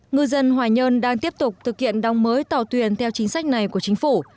người dân hoài nhơn đang tiếp tục thực hiện đóng mới tàu thẻ post theo chính sách này của chính phủ